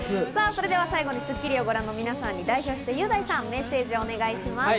それでは最後に『スッキリ』をご覧の皆さんに代表して雄大さん、メッセージをお願いします。